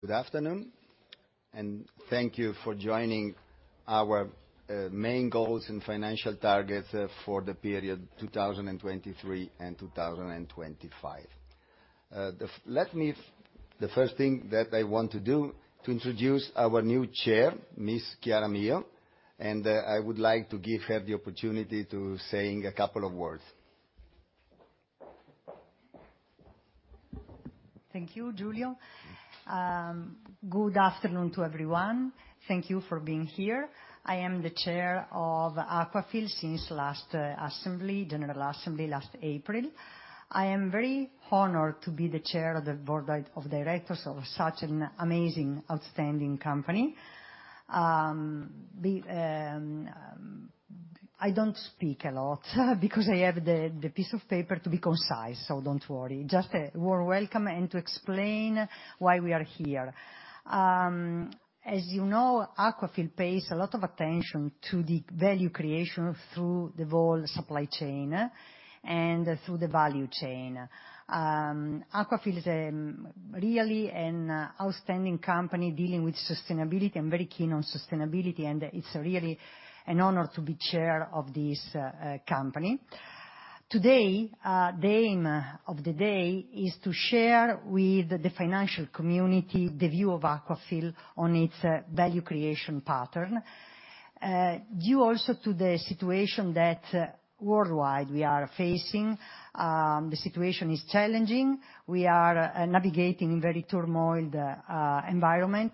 Good afternoon, and thank you for joining our main goals and financial targets for the period 2023 and 2025. The first thing that I want to do, to introduce our new Chair, Ms. Chiara Mio, and I would like to give her the opportunity to say a couple of words. Thank you, Giulio. Good afternoon to everyone. Thank you for being here. I am the Chair of Aquafil since last general assembly last April. I am very honored to be the Chair of the Board of Directors of such an amazing, outstanding company. I don't speak a lot because I have the piece of paper to be concise, so don't worry. Just a warm welcome and to explain why we are here. As you know, Aquafil pays a lot of attention to the value creation through the whole supply chain and through the value chain. Aquafil is really an outstanding company dealing with sustainability. I'm very keen on sustainability, and it's really an honor to be Chair of this company. Today, the aim of the day is to share with the financial community the view of Aquafil on its value creation pattern. Due also to the situation that worldwide we are facing, the situation is challenging. We are navigating very turmoiled environment.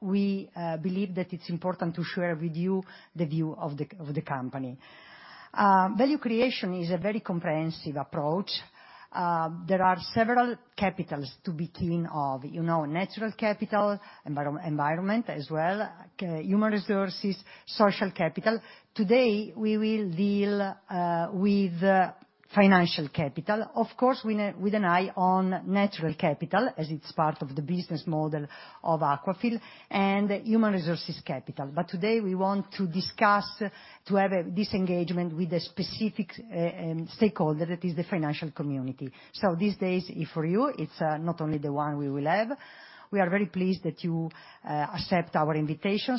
We believe that it's important to share with you the view of the company. Value creation is a very comprehensive approach. There are several capitals to be keen of. Natural capital, environment as well, human resources, social capital. Today, we will deal with financial capital. Of course, with an eye on natural capital as it's part of the business model of Aquafil and human resources capital. Today we want to discuss, to have this engagement with a specific stakeholder, that is the financial community. These days for you, it's not only the one we will have. We are very pleased that you accept our invitation.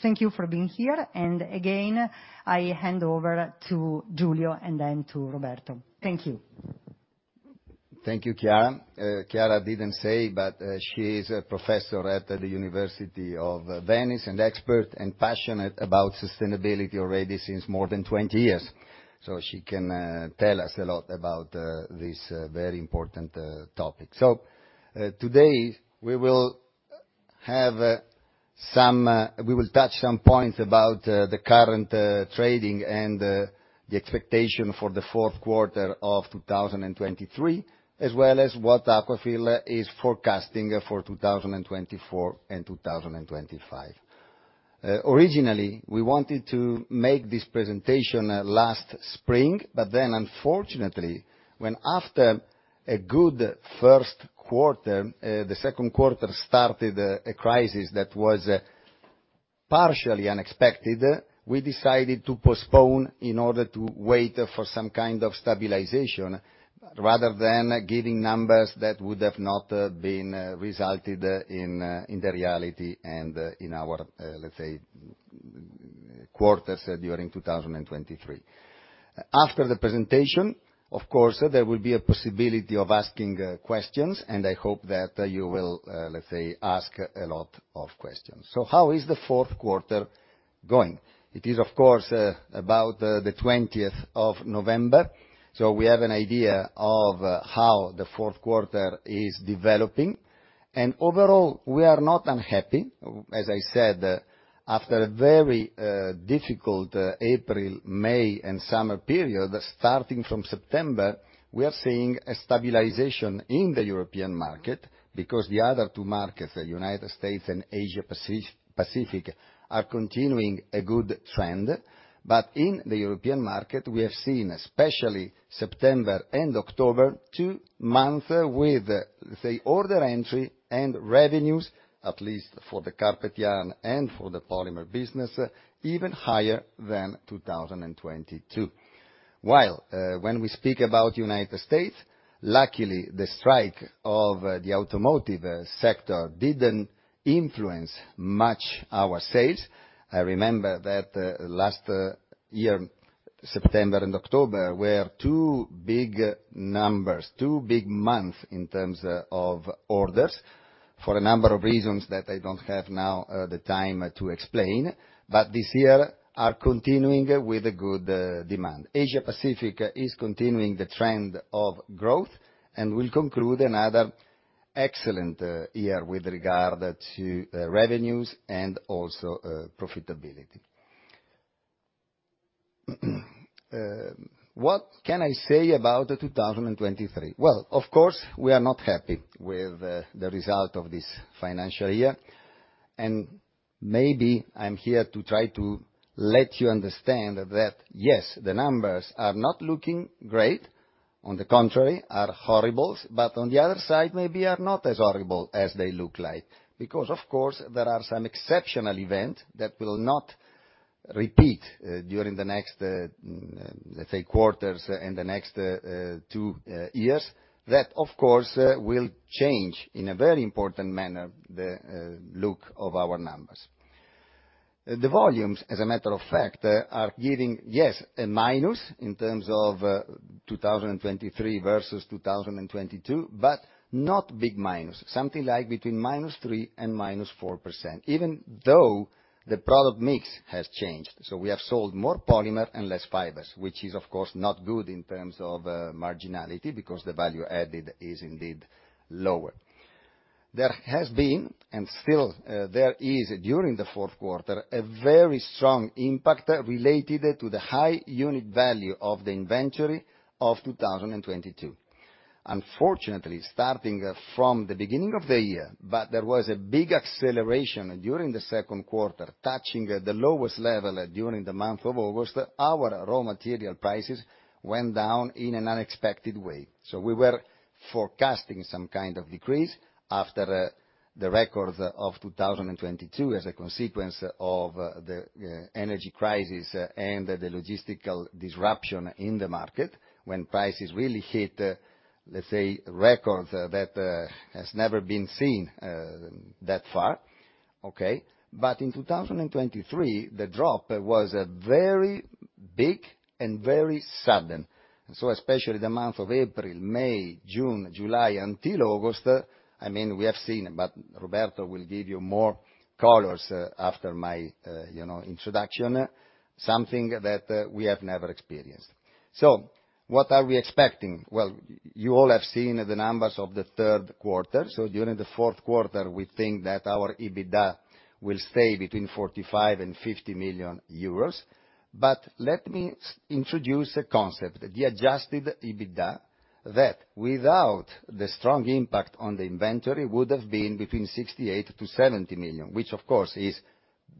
Thank you for being here, and again, I hand over to Giulio and then to Roberto. Thank you. Thank you, Chiara. Chiara didn't say, but she is a professor at the University of Venice and expert and passionate about sustainability already since more than 20 years. She can tell us a lot about this very important topic. Today, we will touch some points about the current trading and the expectation for the fourth quarter of 2023, as well as what Aquafil is forecasting for 2024 and 2025. Originally, we wanted to make this presentation last spring, but then unfortunately when after a good first quarter, the second quarter started a crisis that was partially unexpected, we decided to postpone in order to wait for some kind of stabilization rather than giving numbers that would have not been resulted in the reality and in our quarters during 2023. After the presentation, of course, there will be a possibility of asking questions, and I hope that you will ask a lot of questions. How is the fourth quarter going? It is, of course, about the 20th of November, so we have an idea of how the fourth quarter is developing. Overall, we are not unhappy. As I said, after a very difficult April, May and summer period, starting from September, we are seeing a stabilization in the European market because the other two markets, the United States and Asia Pacific, are continuing a good trend. In the European market, we have seen, especially September and October, two months with the order entry and revenues, at least for the carpet yarn and for the polymer business, even higher than 2022. When we speak about United States, luckily the strike of the automotive sector didn't influence much our sales. I remember that last year, September and October were two big numbers, two big months in terms of orders for a number of reasons that I don't have now the time to explain, this year are continuing with a good demand. Asia Pacific is continuing the trend of growth and will conclude another excellent year with regard to revenues and also profitability. What can I say about 2023? Of course, we are not happy with the result of this financial year, maybe I'm here to try to let you understand that, yes, the numbers are not looking great. On the contrary, are horrible. On the other side, maybe are not as horrible as they look like because, of course, there are some exceptional event that will not repeat during the next, let's say, quarters in the next two years. That, of course, will change, in a very important manner, the look of our numbers. The volumes, as a matter of fact, are giving, yes, a minus in terms of 2023 versus 2022, not big minus, something like between minus 3% and minus 4%, even though the product mix has changed. We have sold more polymer and less fibers, which is of course not good in terms of marginality because the value added is indeed lower. There has been, and still there is, during the fourth quarter, a very strong impact related to the high unit value of the inventory of 2022. Unfortunately, starting from the beginning of the year, there was a big acceleration during the second quarter, touching the lowest level during the month of August, our raw material prices went down in an unexpected way. We were forecasting some kind of decrease after the record of 2022 as a consequence of the energy crisis and the logistical disruption in the market, when prices really hit, let's say, records that has never been seen that far. Okay. In 2023, the drop was very big and very sudden. Especially the month of April, May, June, July until August, we have seen, Roberto will give you more colors after my introduction, something that we have never experienced. What are we expecting? You all have seen the numbers of the third quarter. During the fourth quarter, we think that our EBITDA will stay between 45 million EUR and 50 million euros. Let me introduce a concept, the adjusted EBITDA, that without the strong impact on the inventory, would have been between 68 million EUR to 70 million EUR, which of course is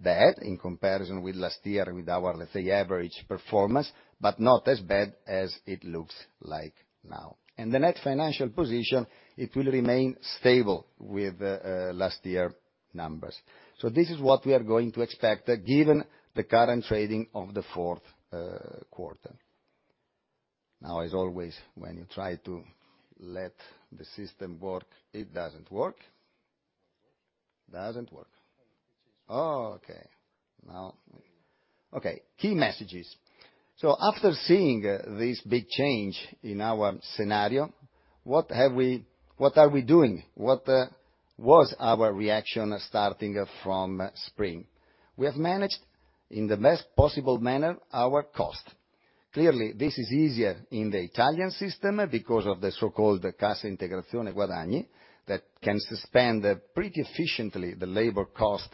bad in comparison with last year with our, let's say, average performance, but not as bad as it looks like now. The net financial position, it will remain stable with last year numbers. This is what we are going to expect given the current trading of the fourth quarter. As always, when you try to let the system work, it doesn't work. Doesn't work. Key messages. After seeing this big change in our scenario, what are we doing? What was our reaction starting from spring? We have managed, in the best possible manner, our cost. Clearly, this is easier in the Italian system because of the so-called Cassa Integrazione Guadagni that can suspend pretty efficiently the labor cost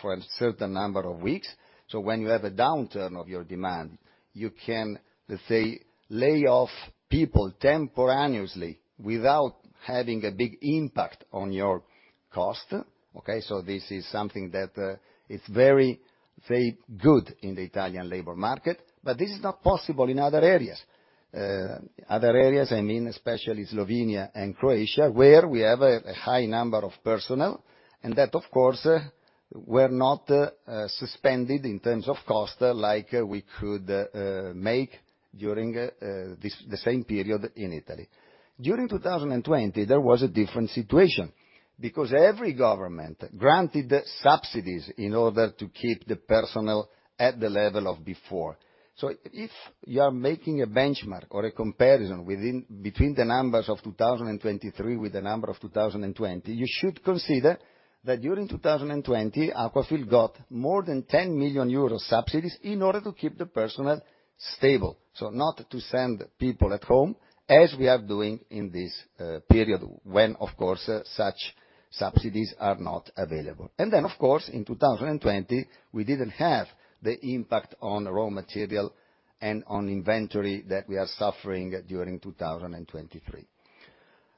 for a certain number of weeks. When you have a downturn of your demand, you can, let's say, lay off people temporarily without having a big impact on your cost. This is something that it's very, let's say, good in the Italian labor market. This is not possible in other areas. Other areas, I mean, especially Slovenia and Croatia, where we have a high number of personnel, and that, of course, were not suspended in terms of cost like we could make during the same period in Italy. During 2020, there was a different situation because every government granted subsidies in order to keep the personnel at the level of before. If you are making a benchmark or a comparison between the numbers of 2023 with the number of 2020, you should consider that during 2020, Aquafil got more than 10 million euro subsidies in order to keep the personnel stable. Not to send people at home, as we are doing in this period when, of course, such subsidies are not available. Of course, in 2020, we didn't have the impact on raw material and on inventory that we are suffering during 2023.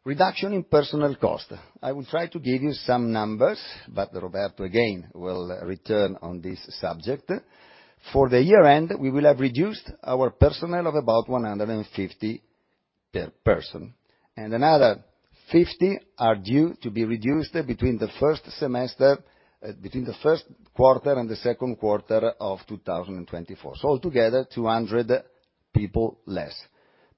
Reduction in personnel cost. I will try to give you some numbers, but Roberto again will return on this subject. For the year-end, we will have reduced our personnel of about 150 per person, and another 50 are due to be reduced between the first quarter and the second quarter of 2024. Altogether, 200 people less.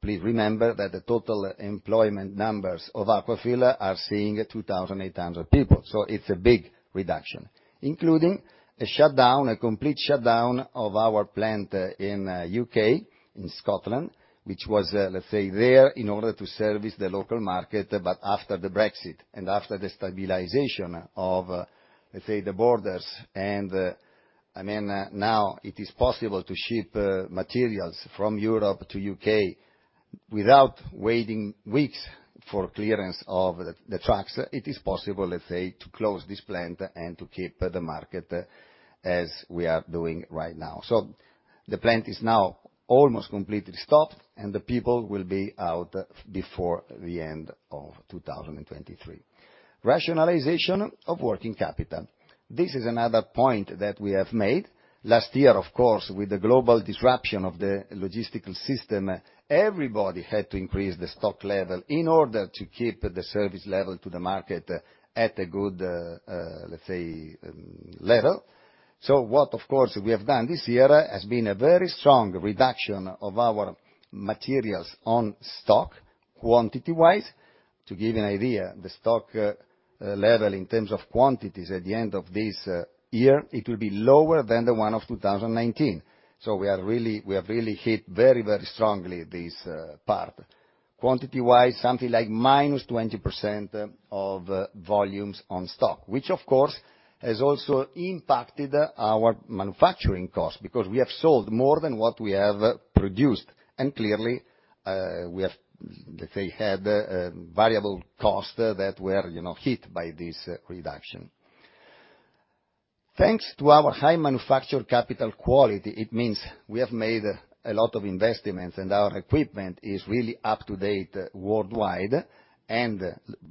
Please remember that the total employment numbers of Aquafil are seeing 2,800 people. It's a big reduction, including a complete shutdown of our plant in U.K., in Scotland, which was, let's say, there in order to service the local market, but after the Brexit and after the stabilization of, let's say, the borders. Now it is possible to ship materials from Europe to U.K. without waiting weeks for clearance of the trucks. It is possible, let's say, to close this plant and to keep the market as we are doing right now. The plant is now almost completely stopped, and the people will be out before the end of 2023. Rationalization of working capital. This is another point that we have made. Last year, of course, with the global disruption of the logistical system, everybody had to increase the stock level in order to keep the service level to the market at a good, let's say, level. What, of course, we have done this year has been a very strong reduction of our materials on stock, quantity wise. To give you an idea, the stock level in terms of quantities at the end of this year, it will be lower than the one of 2019. We have really hit very strongly this part. Quantity wise, something like -20% of volumes on stock, which of course has also impacted our manufacturing cost because we have sold more than what we have produced. Clearly, we have, let's say, had variable costs that were hit by this reduction. Thanks to our high manufacture capital quality, it means we have made a lot of investments and our equipment is really up to date worldwide.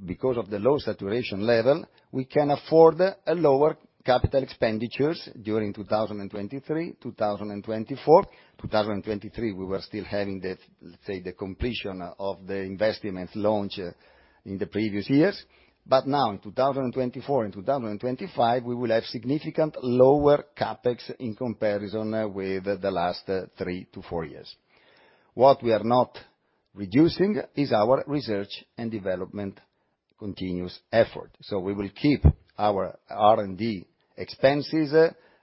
Because of the low saturation level, we can afford a lower capital expenditures during 2023, 2024. 2023, we were still having the, let's say, the completion of the investments launch in the previous years. Now in 2024 and 2025, we will have significant lower CapEx in comparison with the last 3-4 years. What we are not reducing is our research and development continuous effort. We will keep our R&D expenses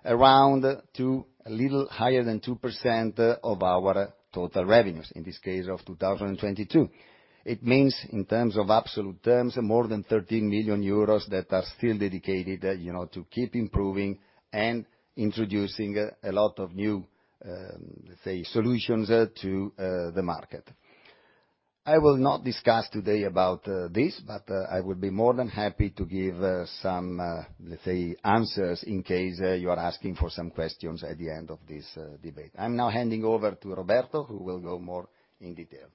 around to a little higher than 2% of our total revenues, in this case of 2022. It means, in terms of absolute terms, more than 13 million euros that are still dedicated to keep improving and introducing a lot of new, let's say, solutions to the market. I will not discuss today about this, but I would be more than happy to give some, let's say, answers in case you are asking for some questions at the end of this debate. I'm now handing over to Roberto, who will go more in detail.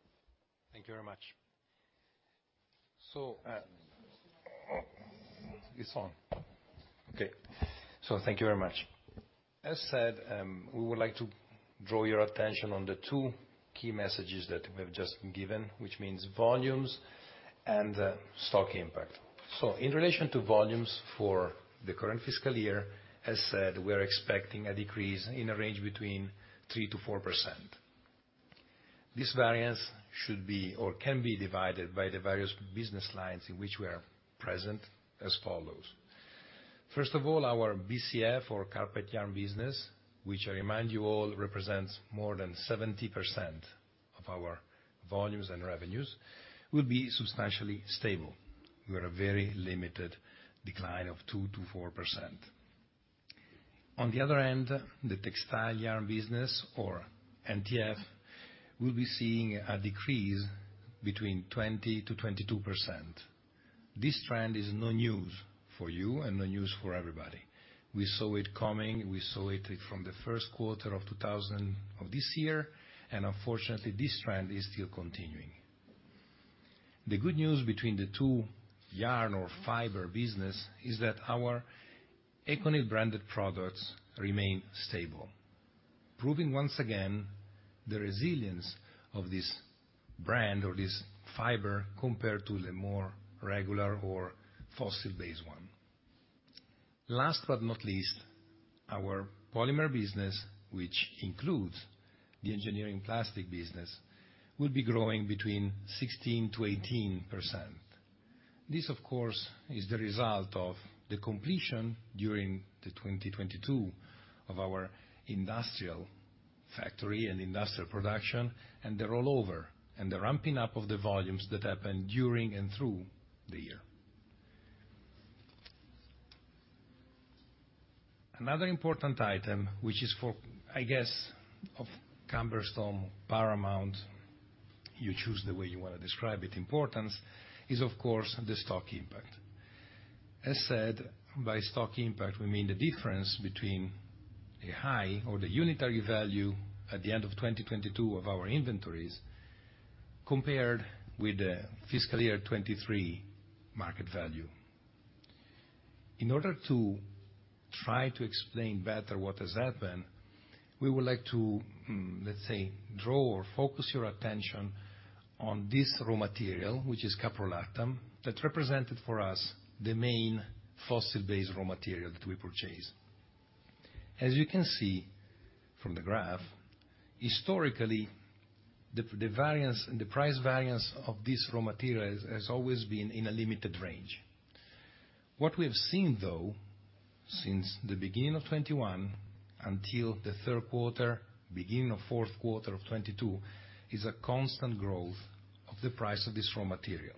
Thank you very much. As said, we would like to draw your attention on the two key messages that we have just given, which means volumes and stock impact. In relation to volumes for the current fiscal year, as said, we are expecting a decrease in a range between 3%-4%. This variance should be or can be divided by the various business lines in which we are present as follows. First of all, our BCF or carpet yarn business, which I remind you all represents more than 70% of our volumes and revenues, will be substantially stable with a very limited decline of 2%-4%. On the other hand, the textile yarn business or NTF, will be seeing a decrease between 20%-22%. This trend is no news for you and no news for everybody. We saw it coming, we saw it from the first quarter of this year. Unfortunately, this trend is still continuing. The good news between the two yarn or fiber business is that our ECONYL branded products remain stable, proving once again the resilience of this brand or this fiber compared to the more regular or fossil-based one. Last but not least, our polymer business, which includes the engineering plastic business, will be growing between 16%-18%. This, of course, is the result of the completion during 2022 of our industrial factory and industrial production, and the rollover and the ramping up of the volumes that happened during and through the year. Another important item, which is for, I guess, of cumbersome paramount, you choose the way you want to describe it importance, is of course the stock impact. As said, by stock impact, we mean the difference between the high or the unitary value at the end of 2022 of our inventories, compared with the fiscal year 2023 market value. In order to try to explain better what has happened, we would like to, let's say, draw or focus your attention on this raw material, which is caprolactam, that represented for us the main fossil-based raw material that we purchase. As you can see from the graph, historically, the price variance of this raw material has always been in a limited range. What we have seen, though, since the beginning of 2021 until the third quarter, beginning of fourth quarter of 2022, is a constant growth of the price of this raw material.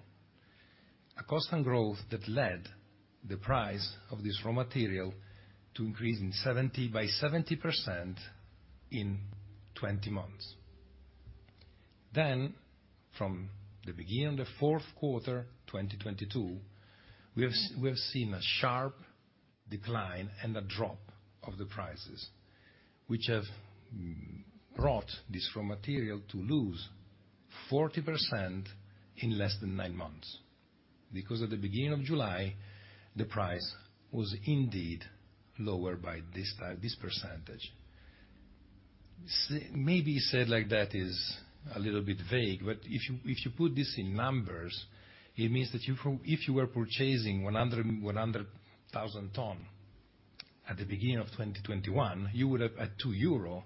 A constant growth that led the price of this raw material to increase by 70% in 20 months. From the beginning of the fourth quarter 2022, we have seen a sharp decline and a drop of the prices, which have brought this raw material to lose 40% in less than nine months. At the beginning of July, the price was indeed lower by this percentage. Maybe said like that is a little bit vague. If you put this in numbers, it means that if you were purchasing 100,000 tons at the beginning of 2021, at 2 euro,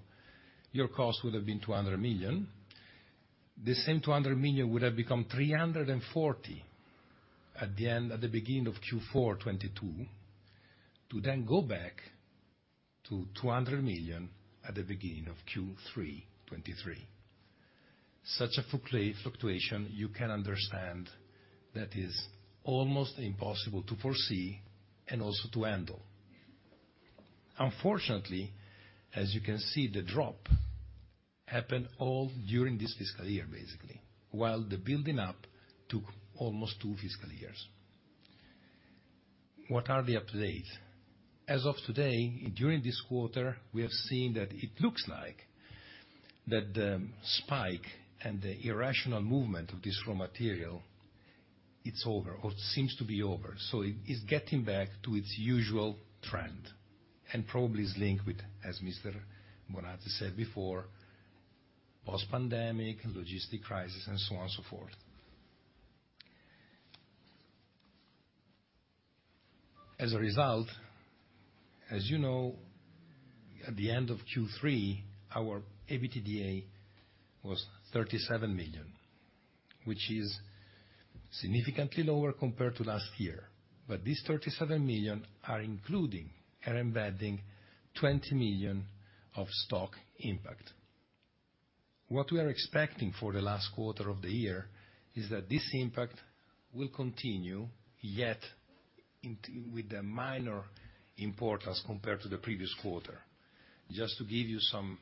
your cost would have been 200 million. The same 200 million would have become 340 at the beginning of Q4 2022, to then go back to 200 million at the beginning of Q3 2023. Such a fluctuation, you can understand, that is almost impossible to foresee and also to handle. Unfortunately, as you can see, the drop happened all during this fiscal year, basically. While the building up took almost two fiscal years. What are the updates? As of today, during this quarter, we have seen that it looks like that the spike and the irrational movement of this raw material, it's over or seems to be over. It is getting back to its usual trend and probably is linked with, as Mr. Bonazzi said before, post-pandemic, logistic crisis and so on and so forth. As a result, as you know, at the end of Q3, our EBITDA was 37 million, which is significantly lower compared to last year. This 37 million are including, are embedding 20 million of stock impact. What we are expecting for the last quarter of the year is that this impact will continue, yet with the minor importance compared to the previous quarter. Just to give you some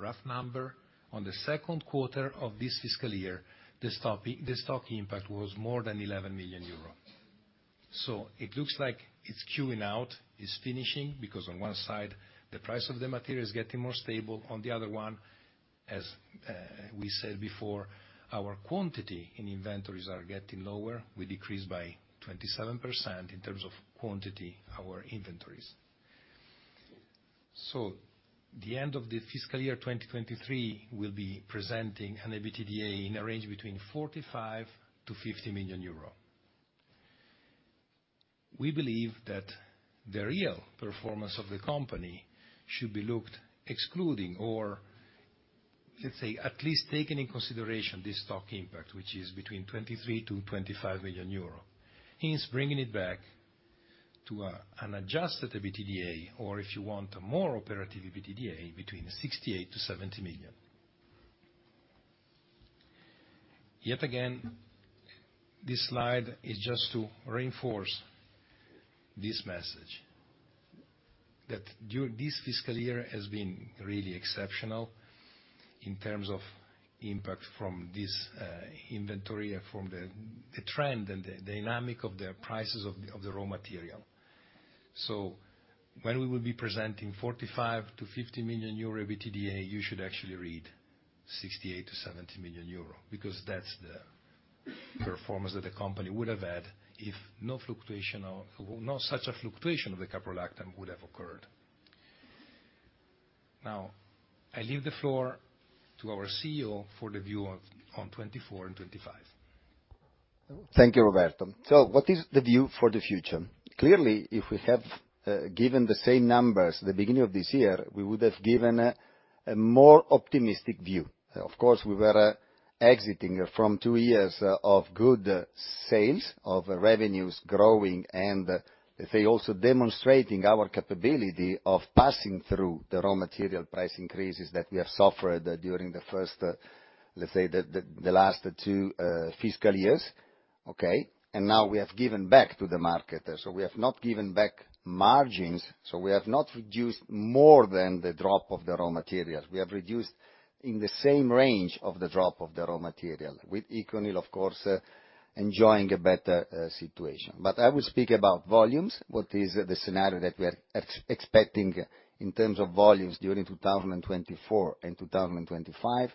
rough number, on the second quarter of this fiscal year, the stock impact was more than 11 million euro. It looks like it's queuing out, it's finishing, because on one side, the price of the material is getting more stable. On the other one, as we said before, our quantity in inventories are getting lower. We decreased by 27% in terms of quantity our inventories. The end of the fiscal year 2023 will be presenting an EBITDA in a range between 45 million-50 million euro. We believe that the real performance of the company should be looked excluding, or let's say, at least taking into consideration this stock impact, which is between 23 million-20 million euro, hence bringing it back to an adjusted EBITDA, or if you want a more operative EBITDA, between 68 million-70 million. Yet again, this slide is just to reinforce this message that this fiscal year has been really exceptional in terms of impact from this inventory and from the trend and the dynamic of the prices of the raw material. When we will be presenting 45 million-50 million euro EBITDA, you should actually read 68 million-70 million euro, because that's the performance that the company would have had if not such a fluctuation of the caprolactam would have occurred. I leave the floor to our CEO for the view on 2024 and 2025. Thank you, Roberto. What is the view for the future? Clearly, if we have given the same numbers at the beginning of this year, we would have given a more optimistic view. Of course, we were exiting from two years of good sales, of revenues growing and, let's say, also demonstrating our capability of passing through the raw material price increases that we have suffered during the first, let's say, the last two fiscal years. Okay. We have given back to the market. We have not given back margins, we have not reduced more than the drop of the raw materials. We have reduced in the same range of the drop of the raw material, with ECONYL, of course, enjoying a better situation. I will speak about volumes, what is the scenario that we are expecting in terms of volumes during 2024 and 2025,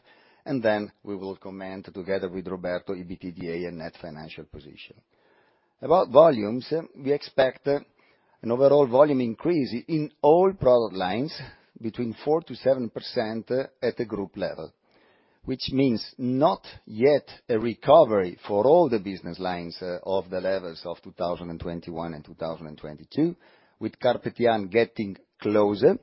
and then we will comment together with Roberto, EBITDA and net financial position. About volumes, we expect an overall volume increase in all product lines between 4%-7% at the group level, which means not yet a recovery for all the business lines of the levels of 2021 and 2022, with Carpet Yan getting closer.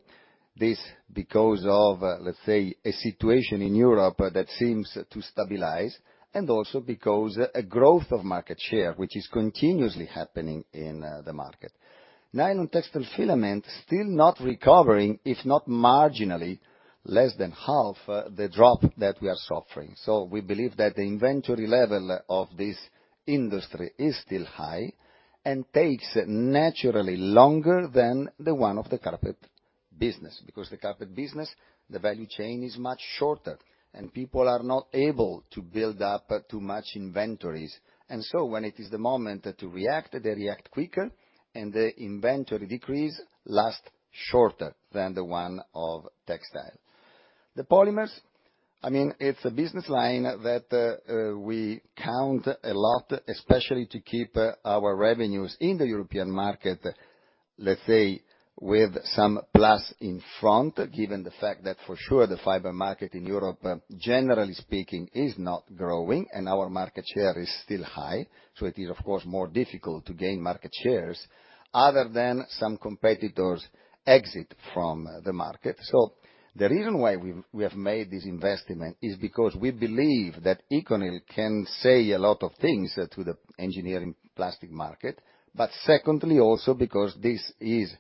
This because of, let's say, a situation in Europe that seems to stabilize and also because a growth of market share, which is continuously happening in the market. Nylon textile filament still not recovering, if not marginally less than half the drop that we are suffering. We believe that the inventory level of this industry is still high and takes naturally longer than the one of the carpet business, because the carpet business, the value chain is much shorter and people are not able to build up too much inventories. When it is the moment to react, they react quicker and the inventory decrease lasts shorter than the one of textile. The polymers. It's a business line that we count a lot, especially to keep our revenues in the European market, let's say, with some plus in front, given the fact that, for sure, the fiber market in Europe, generally speaking, is not growing and our market share is still high. It is, of course, more difficult to gain market shares other than some competitors exit from the market. The reason why we have made this investment is because we believe that ECONYL can say a lot of things to the engineering plastic market, but secondly, also because this is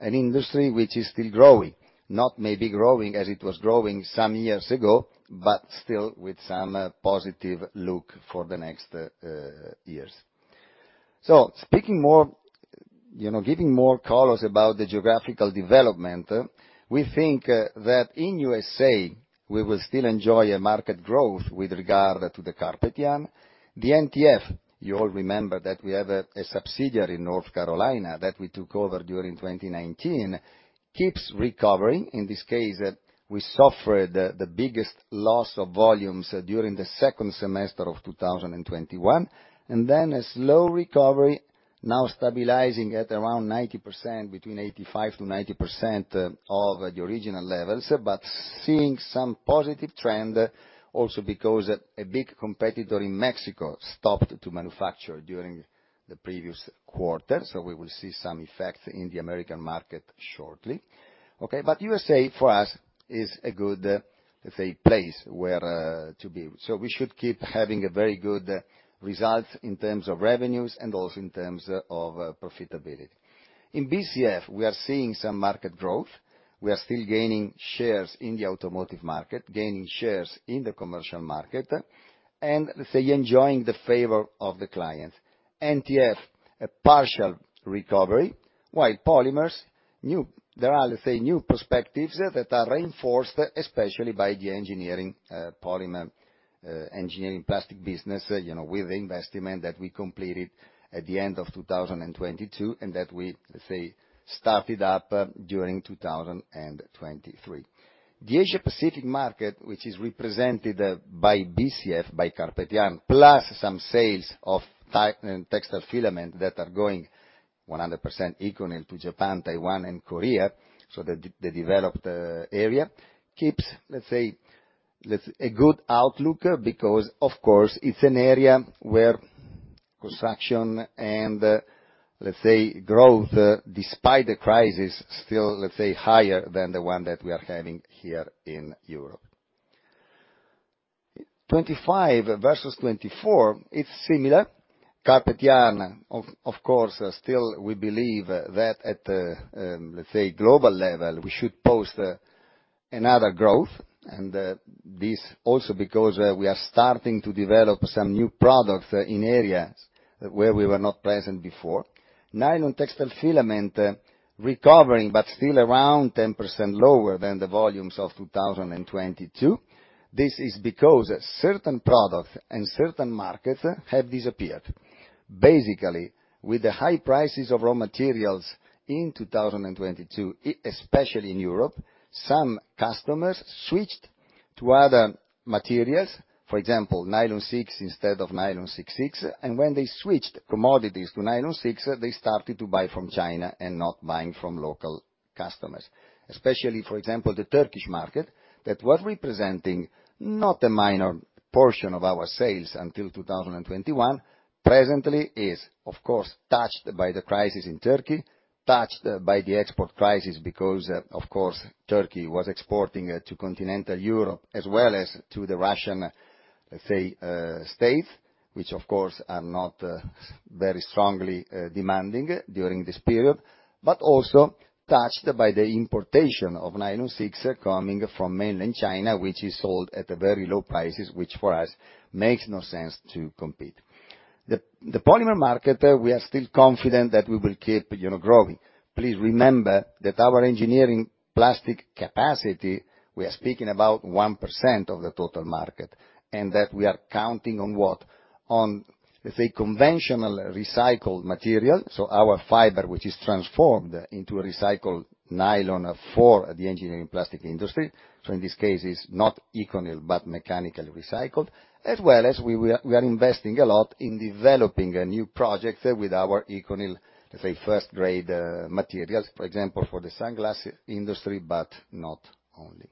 an industry which is still growing, not maybe growing as it was growing some years ago, but still with some positive look for the next years. Giving more colors about the geographical development, we think that in U.S.A., we will still enjoy a market growth with regard to the carpet yarn. The NTF, you all remember that we have a subsidiary in North Carolina that we took over during 2019, keeps recovering. In this case, we suffered the biggest loss of volumes during the second semester of 2021, and then a slow recovery, now stabilizing at around 90%, between 85%-90% of the original levels, but seeing some positive trend also because a big competitor in Mexico stopped to manufacture during the previous quarter. We will see some effect in the American market shortly. Okay. U.S.A., for us, is a good, let's say, place where to be. We should keep having a very good result in terms of revenues and also in terms of profitability. In BCF, we are seeing some market growth. We are still gaining shares in the automotive market, gaining shares in the commercial market, and let's say, enjoying the favor of the client. NTF, a partial recovery, while polymers, there are, let's say, new perspectives that are reinforced, especially by the engineering polymer, engineering plastic business, with the investment that we completed at the end of 2022 and that we, let's say, started up during 2023. The Asia-Pacific market, which is represented by BCF, by carpet yarn, plus some sales of textile filament that are going 100% ECONYL to Japan, Taiwan and Korea, so the developed area, keeps, let's say, a good outlook because, of course, it's an area where construction and, let's say, growth, despite the crisis, still, let's say, higher than the one that we are having here in Europe. 25 versus 24, it's similar. Carpet yarn, of course, still we believe that at, let's say, global level, we should post another growth. This also because we are starting to develop some new products in areas where we were not present before. Nylon textile filament recovering, still around 10% lower than the volumes of 2022. This is because certain products and certain markets have disappeared. Basically, with the high prices of raw materials in 2022, especially in Europe, some customers switched to other materials, for example, nylon 6 instead of nylon 6/6. When they switched commodities to nylon 6, they started to buy from China and not buying from local customers. Especially, for example, the Turkish market that was representing not a minor portion of our sales until 2021, presently is, of course, touched by the crisis in Turkey, touched by the export crisis because, of course, Turkey was exporting to continental Europe as well as to the Russian states, which of course are not very strongly demanding during this period. Also touched by the importation of nylon 6 coming from mainland China, which is sold at very low prices, which for us makes no sense to compete. The polymer market, we are still confident that we will keep growing. Please remember that our engineering plastic capacity, we are speaking about 1% of the total market. That we are counting on what? On, let's say, conventional recycled material, so our fiber, which is transformed into recycled nylon for the engineering plastic industry. In this case, it's not ECONYL, mechanically recycled, as well as we are investing a lot in developing a new project with our ECONYL, let's say, first-grade materials, for example, for the sunglasses industry, not only.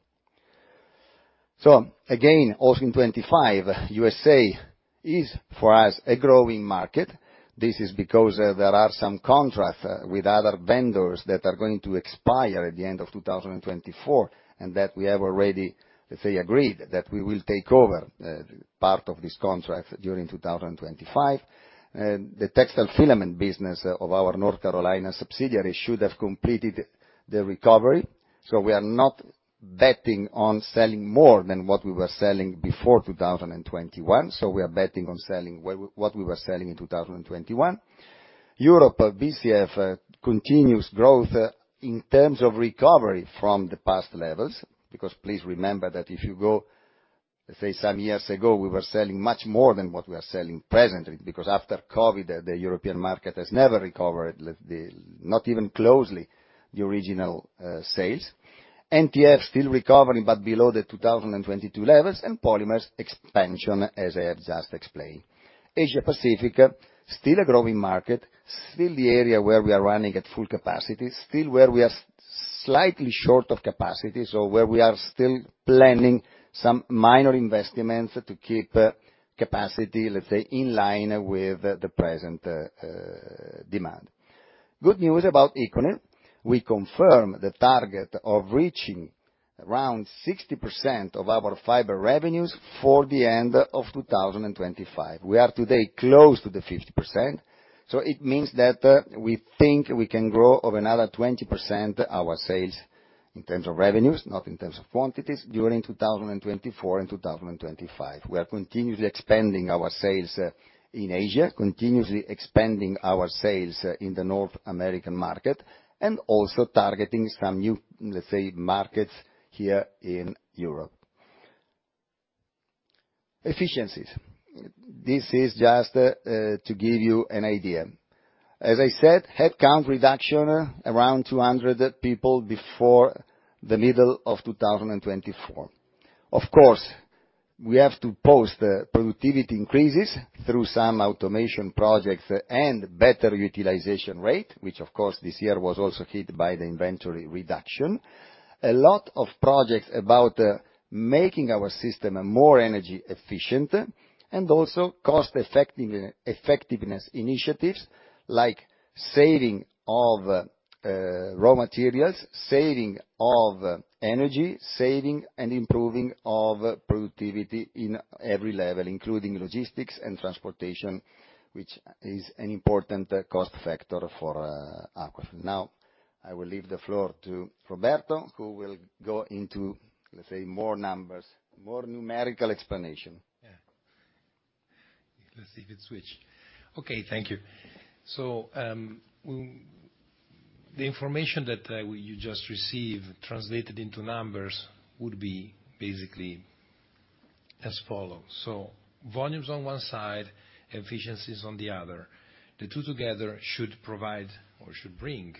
Again, also in 2025, U.S.A. is, for us, a growing market. This is because there are some contracts with other vendors that are going to expire at the end of 2024. That we have already, let's say, agreed that we will take over part of this contract during 2025. The textile filament business of our North Carolina subsidiary should have completed the recovery. We are not betting on selling more than what we were selling before 2021. We are betting on selling what we were selling in 2021. Europe BCF continues growth in terms of recovery from the past levels. Please remember that if you go, say, some years ago, we were selling much more than what we are selling presently, because after COVID, the European market has never recovered, not even closely the original sales. NTF, still recovering, below the 2022 levels, polymers expansion as I have just explained. Asia Pacific, still a growing market, still the area where we are running at full capacity, still where we are slightly short of capacity. Where we are still planning some minor investments to keep capacity, let's say, in line with the present demand. Good news about ECONYL. We confirm the target of reaching around 60% of our fiber revenues for the end of 2025. We are today close to the 50%. It means that we think we can grow of another 20% our sales in terms of revenues, not in terms of quantities, during 2024 and 2025. We are continuously expanding our sales in Asia, continuously expanding our sales in the North American market, and also targeting some new, let's say, markets here in Europe. Efficiencies. This is just to give you an idea. As I said, headcount reduction around 200 people before the middle of 2024. Of course, we have to post productivity increases through some automation projects and better utilization rate, which of course, this year was also hit by the inventory reduction. A lot of projects about making our system more energy efficient and also cost effectiveness initiatives like saving of raw materials, saving of energy, saving and improving of productivity in every level, including logistics and transportation, which is an important cost factor for Aquafil. Now, I will leave the floor to Roberto, who will go into, let's say, more numbers, more numerical explanation. Let's see if it switch. Okay, thank you. The information that you just received translated into numbers would be basically as follows. Volumes on one side, efficiencies on the other. The two together should provide or should bring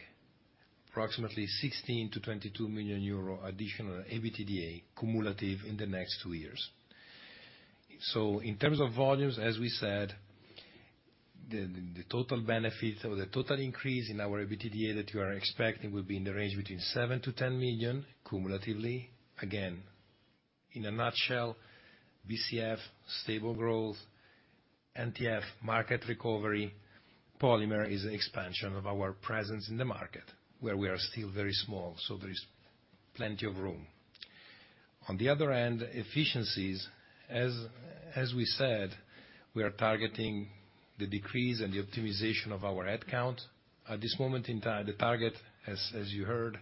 approximately 16 million-22 million euro additional EBITDA cumulative in the next two years. In terms of volumes, as we said, the total benefit or the total increase in our EBITDA that you are expecting will be in the range between 7 million-10 million cumulatively. Again, in a nutshell, BCF stable growth, NTF market recovery, polymer is an expansion of our presence in the market where we are still very small, so there is plenty of room. On the other end, efficiencies, as we said, we are targeting the decrease and the optimization of our headcount. At this moment, the target, as you heard,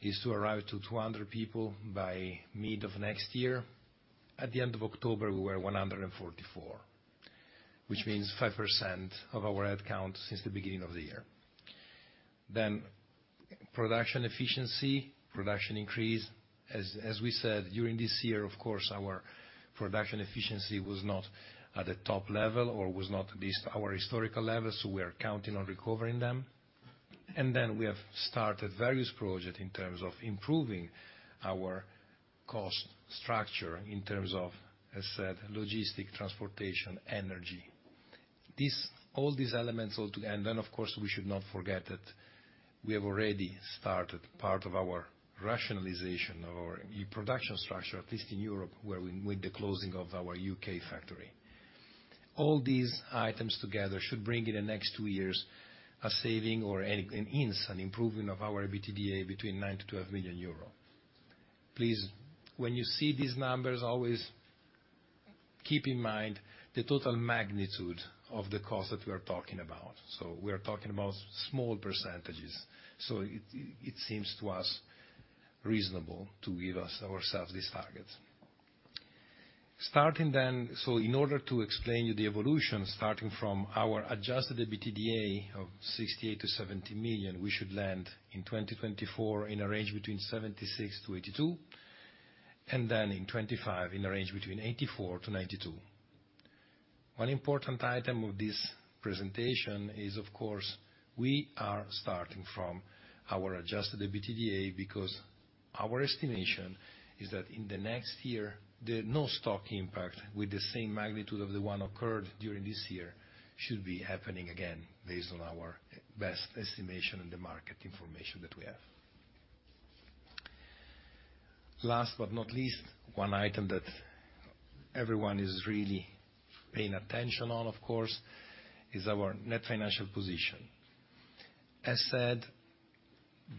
is to arrive to 200 people by mid of next year. At the end of October, we were 144, which means 5% of our headcount since the beginning of the year. Production efficiency, production increase. As we said, during this year, of course, our production efficiency was not at the top level or was not at least our historical level, so we are counting on recovering them. We have started various project in terms of improving our cost structure in terms of, as I said, logistic, transportation, energy. All these elements altogether. Of course, we should not forget that we have already started part of our rationalization of our production structure, at least in Europe, with the closing of our U.K. factory. All these items together should bring in the next two years a saving or an improvement of our EBITDA between 9 million-12 million euro. Please, when you see these numbers, always keep in mind the total magnitude of the cost that we are talking about. We are talking about small percentages. It seems to us reasonable to give ourselves these targets. In order to explain you the evolution, starting from our adjusted EBITDA of 68 million-70 million, we should land in 2024 in a range between 76 million-82 million, and then in 2025 in a range between 84 million-92 million. One important item of this presentation is, of course, we are starting from our adjusted EBITDA because our estimation is that in the next year, the no stock impact with the same magnitude of the one occurred during this year should be happening again based on our best estimation and the market information that we have. Last but not least, one item that everyone is really paying attention on, of course, is our net financial position. As said,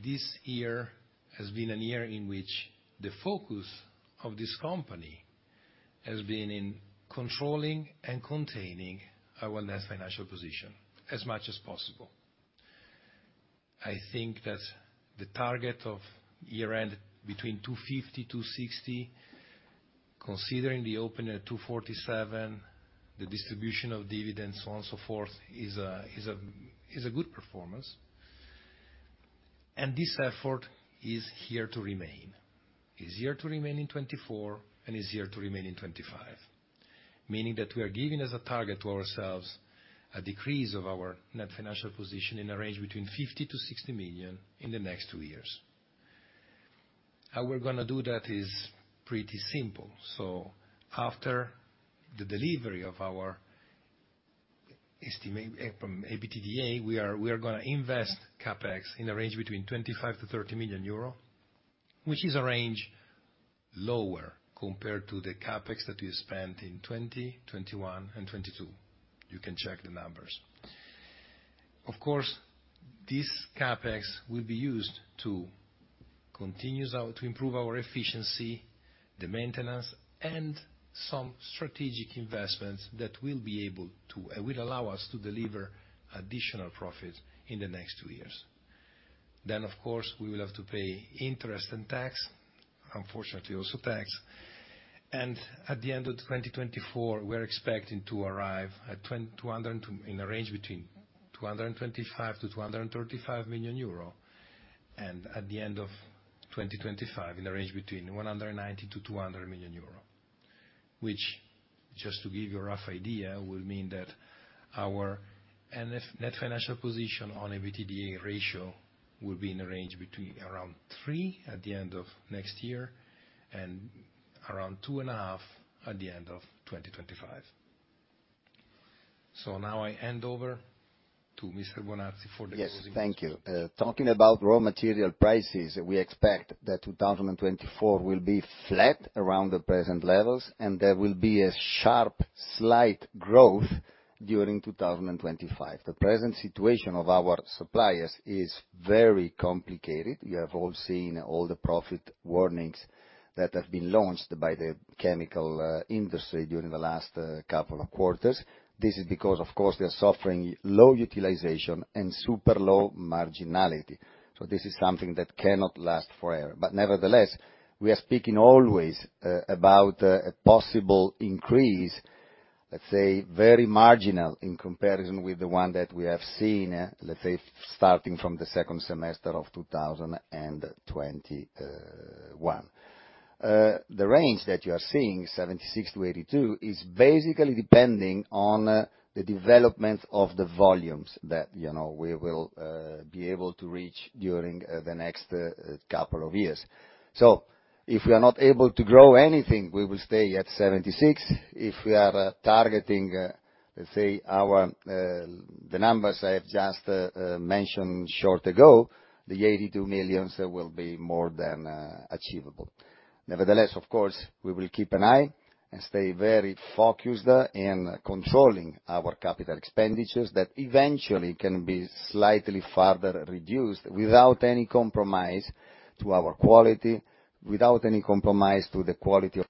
this year has been a year in which the focus of this company has been in controlling and containing our net financial position as much as possible. I think that the target of year end between 250 million-260 million, considering the open at 247 million, the distribution of dividends, so on so forth, is a good performance. This effort is here to remain. It is here to remain in 2024, and it is here to remain in 2025, meaning that we are giving as a target to ourselves a decrease of our net financial position in a range between 50 million-60 million in the next two years. How we're going to do that is pretty simple. After the delivery of our estimate from EBITDA, we are going to invest CapEx in a range between 25 million-30 million euro, which is a range lower compared to the CapEx that we spent in 2020, 2021 and 2022. You can check the numbers. Of course, this CapEx will be used to continue to improve our efficiency, the maintenance, and some strategic investments that will allow us to deliver additional profits in the next two years. Of course, we will have to pay interest and tax, unfortunately, also tax. At the end of 2024, we're expecting to arrive in a range between 225 million-235 million euro, and at the end of 2025, in a range between 190 million-200 million euro, which, just to give you a rough idea, will mean that our net financial position on EBITDA ratio will be in a range between around 3 at the end of next year, and around 2.5 at the end of 2025. Now I hand over to Mr. Bonazzi for the closing. Yes. Thank you. Talking about raw material prices, we expect that 2024 will be flat around the present levels, and there will be a sharp slight growth during 2025. The present situation of our suppliers is very complicated. You have all seen all the profit warnings that have been launched by the chemical industry during the last couple of quarters. This is because, of course, they're suffering low utilization and super low marginality. This is something that cannot last forever. Nevertheless, we are speaking always about a possible increase, let's say, very marginal in comparison with the one that we have seen, let's say, starting from the second semester of 2021. The range that you are seeing, 76 million-82 million, is basically depending on the development of the volumes that we will be able to reach during the next couple of years. If we are not able to grow anything, we will stay at 76 million. If we are targeting, let's say, the numbers I have just mentioned short ago, the 82 million will be more than achievable. Nevertheless, of course, we will keep an eye and stay very focused in controlling our capital expenditures that eventually can be slightly further reduced without any compromise to our quality, without any compromise to the quality of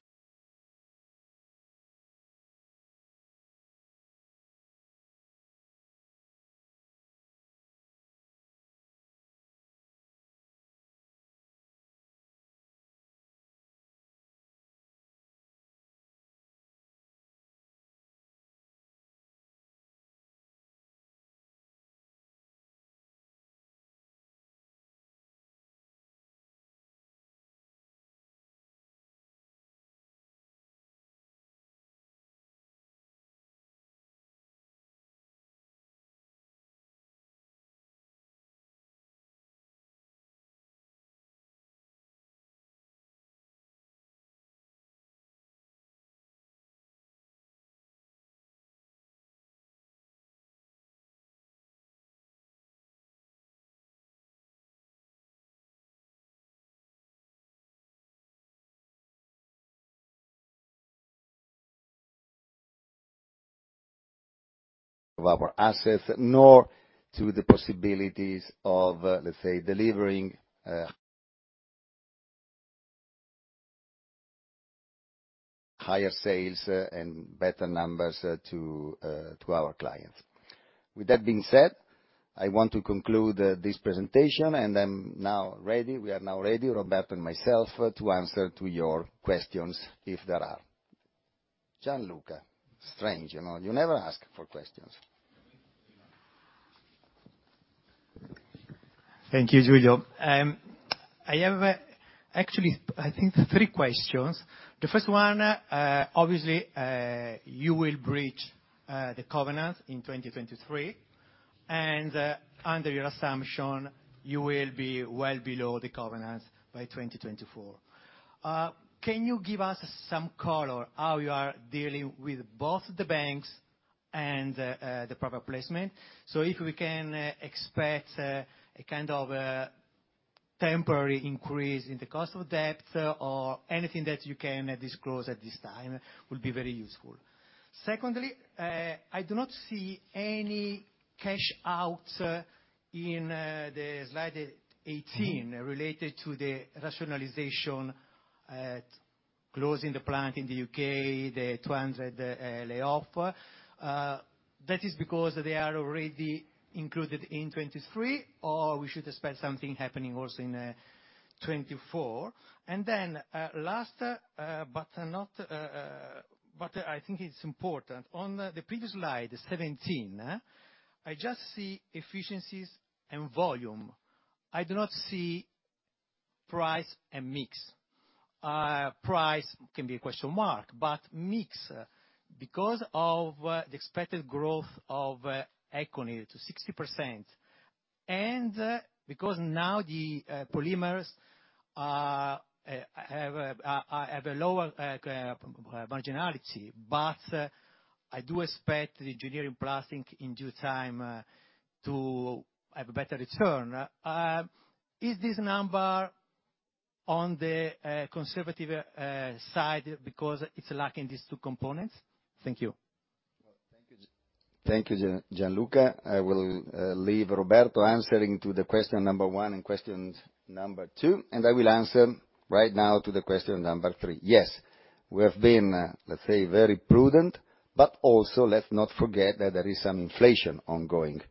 our assets, nor to the possibilities of, let's say, delivering higher sales and better numbers to our clients. With that being said, I want to conclude this presentation. I'm now ready, we are now ready, Roberto and myself, to answer to your questions if there are. Gianluca, strange, you never ask for questions. Thank you, Giulio. I have, actually, I think three questions. The first one, obviously, you will breach the covenant in 2023, and under your assumption, you will be well below the covenant by 2024. Can you give us some color how you are dealing with both the banks and the proper placement? If we can expect a kind of temporary increase in the cost of debt or anything that you can disclose at this time will be very useful. Secondly, I do not see any cash out in the slide 18 related to the rationalization closing the plant in the U.K., the 200 layoffs. That is because they are already included in 2023, or we should expect something happening also in 2024? Last, but I think it's important. On the previous slide, 17, I just see efficiencies and volume. I do not see price and mix. Price can be a question mark, mix, because of the expected growth of ECONYL to 60%, and because now the polymers have a lower marginality. I do expect the engineering plastic, in due time, to have a better return. Is this number on the conservative side because it's lacking these two components? Thank you. Well, thank you, Gianluca. I will leave Roberto answering to the question number one and question number two, I will answer right now to the question number three. Yes. We have been, let's say, very prudent, but also let's not forget that there is some inflation ongoing.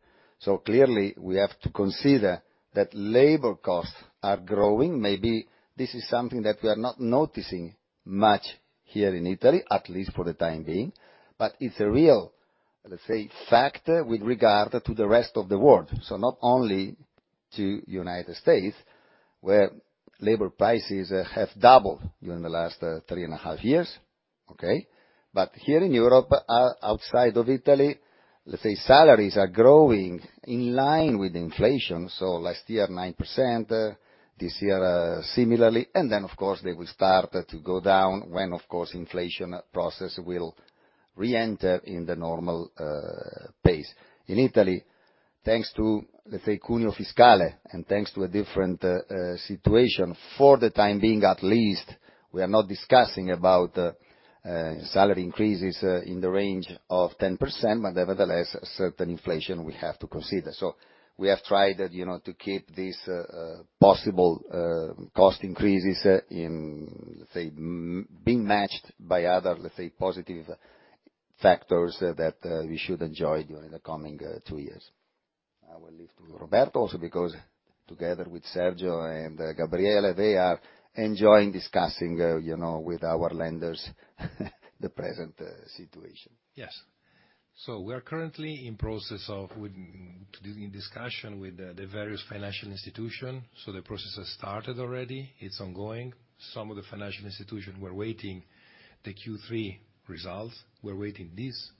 Clearly, we have to consider that labor costs are growing. Maybe this is something that we are not noticing much here in Italy, at least for the time being. It's a real, let's say, factor with regard to the rest of the world. Not only to U.S., where labor prices have doubled during the last three and a half years. Okay? Here in Europe, outside of Italy, let's say salaries are growing in line with inflation. Last year, 9%, this year, similarly. Then, of course, they will start to go down when, of course, inflation process will reenter in the normal pace. In Italy, thanks to, let's say, cuneo fiscale, and thanks to a different situation, for the time being at least, we are not discussing about salary increases in the range of 10%, but nevertheless, certain inflation we have to consider. We have tried to keep these possible cost increases being matched by other, let's say, positive factors that we should enjoy during the coming two years. I will leave to Roberto, because together with Sergio and Gabriele, they are enjoying discussing with our lenders the present situation. Yes. We are currently in process of doing discussion with the various financial institution. The process has started already, it's ongoing. Some of the financial institution were waiting the Q3 results. We're waiting this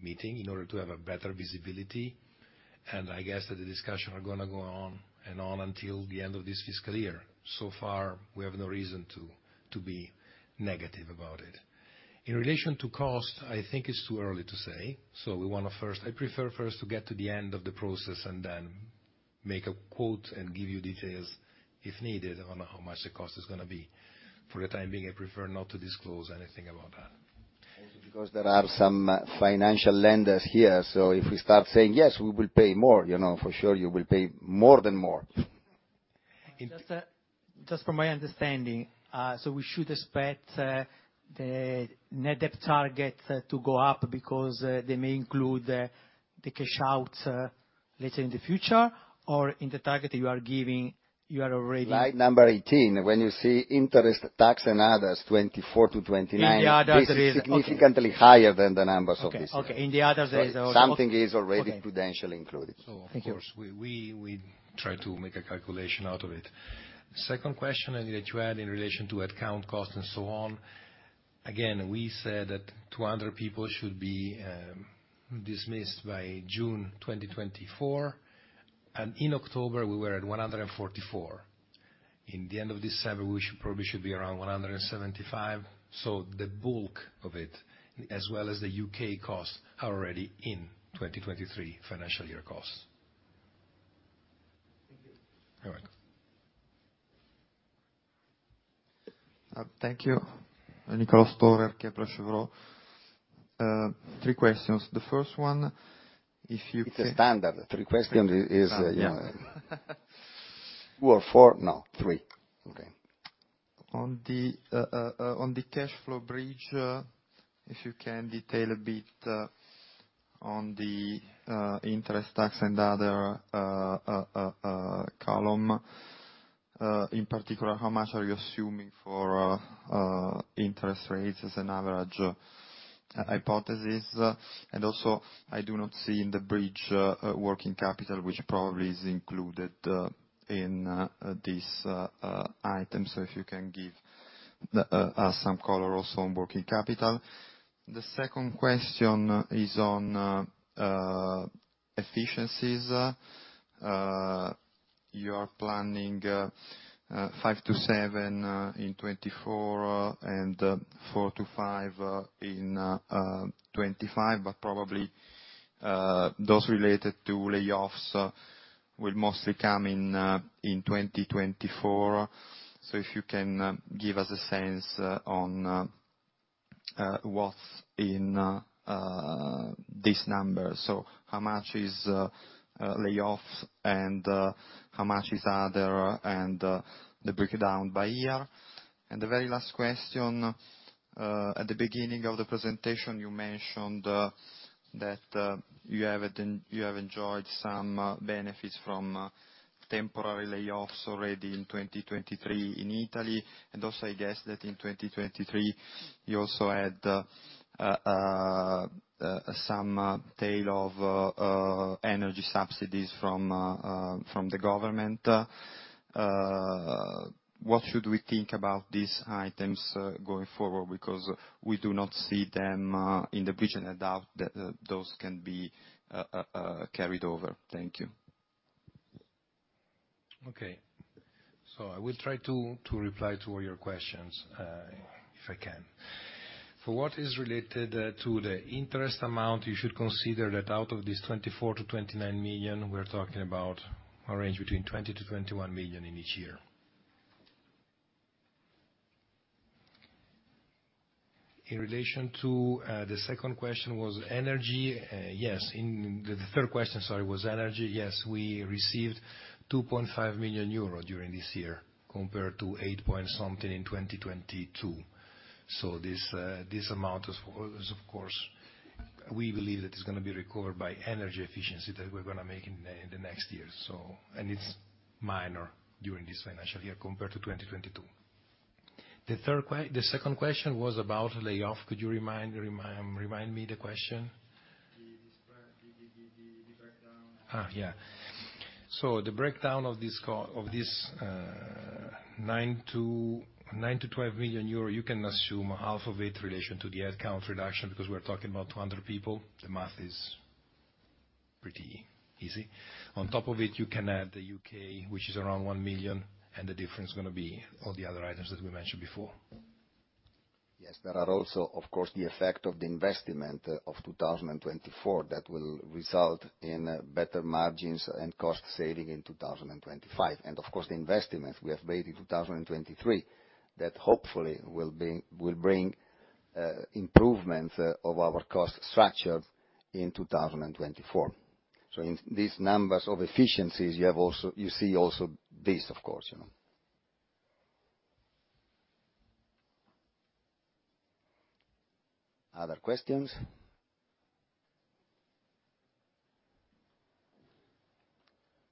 meeting in order to have a better visibility, and I guess that the discussion are going to go on and on until the end of this fiscal year. Far, we have no reason to be negative about it. In relation to cost, I think it's too early to say. I prefer first to get to the end of the process and then make a quote and give you details if needed on how much the cost is going to be. For the time being, I prefer not to disclose anything about that. Also because there are some financial lenders here, so if we start saying, "Yes, we will pay more," for sure you will pay more than more. Just from my understanding, we should expect the net debt target to go up because they may include the cash outs later in the future? Or in the target you are giving, you are already- Slide number 18. When you see interest, tax, and others, 24 to 29- In the others it is okay. This is significantly higher than the numbers of this year. Okay. In the others there is- Something is already prudentially included. Okay. Thank you. Of course, we try to make a calculation out of it. Second question that you had in relation to headcount cost and so on. Again, we said that 200 people should be dismissed by June 2024. In October, we were at 144. In the end of December, we probably should be around 175. The bulk of it, as well as the U.K. cost, are already in 2023 financial year costs. Thank you. You're welcome. Thank you. Nicolò Storer, Kepler Cheuvreux. Three questions. The first one, if you. It's a standard. Three questions is. Standard, yeah. Two or four? No, three. Okay. On the cash flow bridge, if you can detail a bit on the interest, tax, and other column. In particular, how much are you assuming for interest rates as an average hypothesis? Also, I do not see in the bridge working capital, which probably is included in these items. If you can give us some color also on working capital. The second question is on efficiencies. You are planning 5-7 in 2024, and 4-5 in 2025, but probably those related to layoffs will mostly come in 2024. If you can give us a sense on what's in this number. How much is layoffs and how much is other, and the breakdown by year. The very last question, at the beginning of the presentation, you mentioned that you have enjoyed some benefits from temporary layoffs already in 2023 in Italy. Also, I guess that in 2023 you also had some tail of energy subsidies from the government. What should we think about these items going forward? We do not see them in the bridge, and I doubt that those can be carried over. Thank you. Okay. I will try to reply to all your questions, if I can. For what is related to the interest amount, you should consider that out of this 24 million-29 million, we're talking about a range between 20 million-21 million in each year. In relation to the second question was energy. Yes. In the third question, sorry, was energy. Yes, we received 2.5 million euros during this year compared to 8 point something in 2022. This amount is, of course, we believe that it's going to be recovered by energy efficiency that we're going to make in the next year. It's minor during this financial year compared to 2022. The second question was about layoff. Could you remind me the question? The breakdown. The breakdown of this 9 million-12 million euro, you can assume half of it in relation to the head count reduction because we're talking about 200 people. The math is pretty easy. On top of it, you can add the U.K., which is around 1 million, the difference is going to be all the other items that we mentioned before. Yes. There are also, of course, the effect of the investment of 2024 that will result in better margins and cost saving in 2025. Of course, the investments we have made in 2023 that hopefully will bring improvements of our cost structure in 2024. In these numbers of efficiencies, you see also this, of course. Other questions?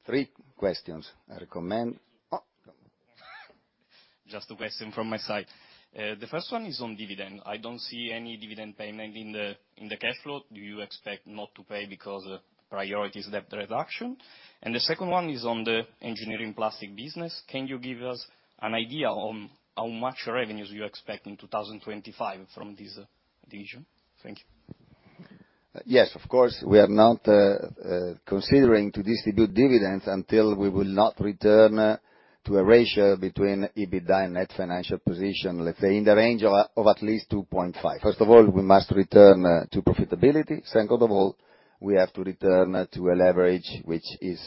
Three questions I recommend. Just a question from my side. The first one is on dividend. I don't see any dividend payment in the cash flow. Do you expect not to pay because priority is debt reduction? The second one is on the engineering plastic business. Can you give us an idea on how much revenues you expect in 2025 from this division? Thank you. Yes, of course. We are not considering to distribute dividends until we will not return to a ratio between EBITDA and net financial position, let's say in the range of at least 2.5. First of all, we must return to profitability. Second of all, we have to return to a leverage which is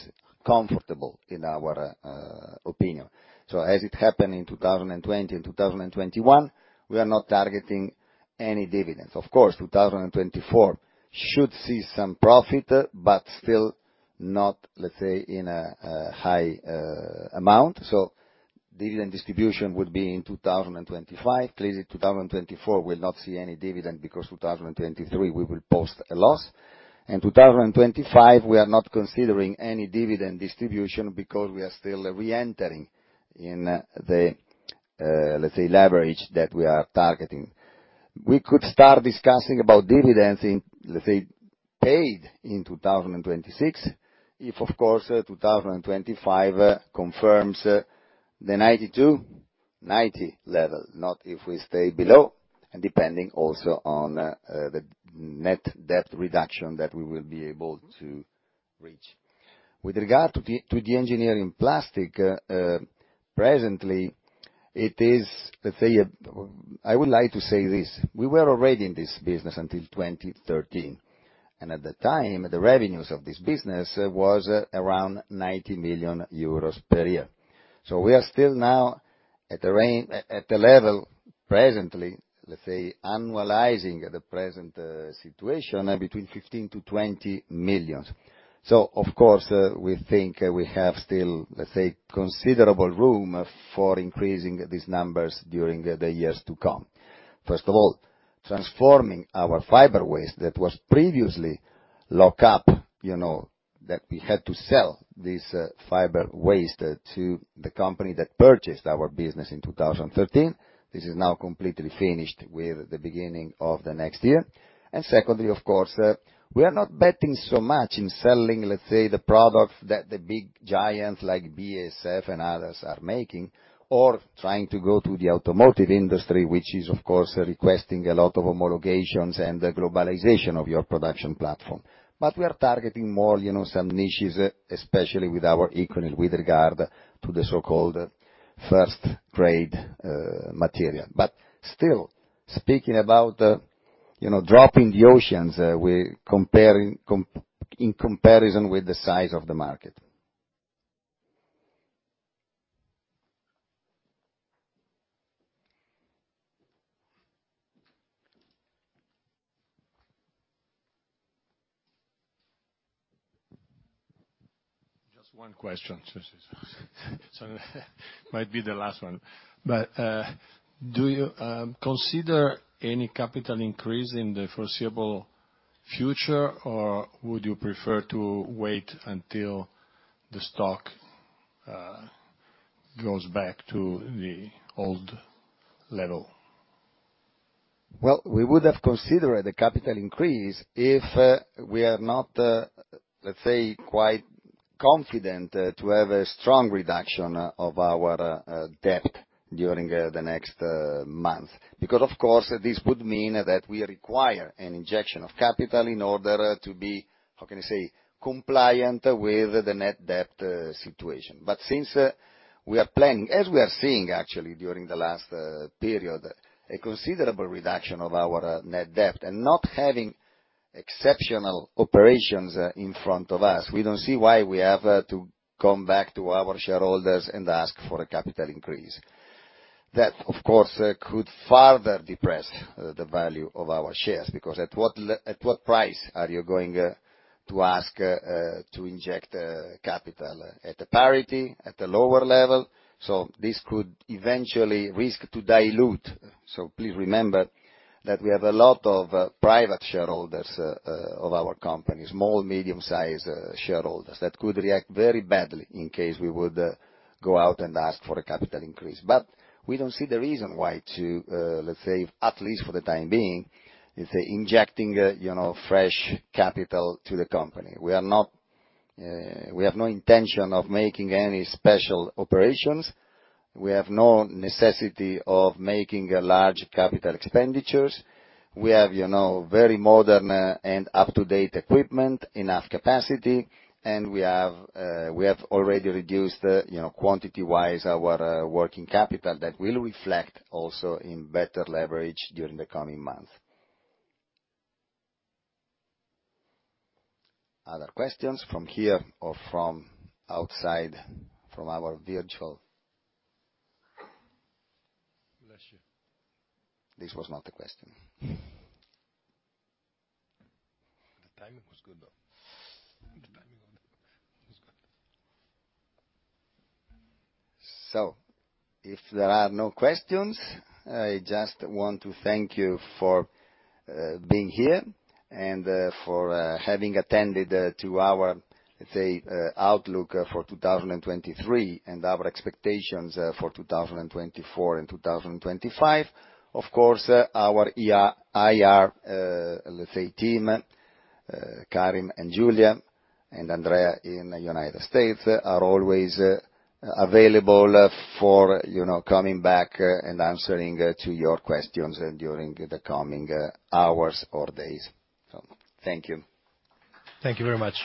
comfortable in our opinion. As it happened in 2020 and 2021, we are not targeting any dividends. Of course, 2024 should see some profit, but still not, let's say, in a high amount. Dividend distribution would be in 2025. Clearly, 2024 will not see any dividend because 2023 we will post a loss. In 2025, we are not considering any dividend distribution because we are still re-entering in the, let's say, leverage that we are targeting. We could start discussing about dividends in, let's say, paid in 2026, if, of course, 2025 confirms the 90 level, not if we stay below, and depending also on the net debt reduction that we will be able to reach. With regard to the engineering plastic, presently it is, let's say, I would like to say this. We were already in this business until 2013, and at the time, the revenues of this business was around 90 million euros per year. We are still now at the level presently, let's say, annualizing the present situation between 15 million to 20 million. Of course, we think we have still, let's say, considerable room for increasing these numbers during the years to come. First of all, transforming our fiber waste that was previously lock up, that we had to sell this fiber waste to the company that purchased our business in 2013. This is now completely finished with the beginning of the next year. Secondly, of course, we are not betting so much in selling, let's say, the products that the big giants like BASF and others are making, or trying to go to the automotive industry, which is, of course, requesting a lot of homologations and the globalization of your production platform. We are targeting more some niches, especially with our ECONYL, with regard to the so-called first grade material. Still speaking about a drop in the ocean in comparison with the size of the market. Just one question. It might be the last one. Do you consider any capital increase in the foreseeable future, or would you prefer to wait until the stock goes back to the old level? Well, we would have considered a capital increase if we are not quite confident to have a strong reduction of our debt during the next month. Of course, this would mean that we require an injection of capital in order to be, how can I say, compliant with the net debt situation. Since we are planning, as we are seeing actually during the last period, a considerable reduction of our net debt and not having exceptional operations in front of us, we don't see why we have to come back to our shareholders and ask for a capital increase. That, of course, could further depress the value of our shares, because at what price are you going to ask to inject capital? At the parity? At a lower level? This could eventually risk to dilute. Please remember that we have a lot of private shareholders of our company, small, medium-size shareholders that could react very badly in case we would go out and ask for a capital increase. We don't see the reason why to, at least for the time being, injecting fresh capital to the company. We have no intention of making any special operations. We have no necessity of making large capital expenditures. We have very modern and up-to-date equipment, enough capacity, and we have already reduced quantity-wise our working capital that will reflect also in better leverage during the coming month. Other questions from here or from outside, from our virtual Bless you. This was not a question. The timing was good, though. The timing on that was good. If there are no questions, I just want to thank you for being here and for having attended to our outlook for 2023 and our expectations for 2024 and 2025. Of course, our IR team, Karim and Giulia and Andrea in the U.S., are always available for coming back and answering to your questions during the coming hours or days. Thank you. Thank you very much